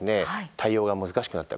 対応が難しくなった。